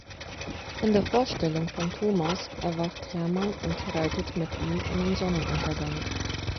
In der Vorstellung von Thomas erwacht Hermann und reitet mit ihm in den Sonnenuntergang.